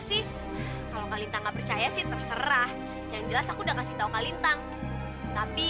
sih kalau kalintang nggak percaya sih terserah yang jelas aku udah kasih tahu kalintang tapi